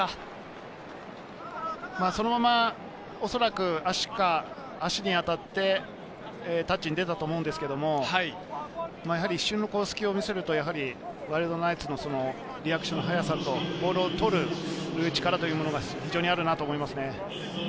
そのままおそらく足に当たってタッチに出たと思うんですけど、一瞬の隙を見せるとワイルドナイツのリアクションの速さとボールを取る力が非常にあるなと思いますね。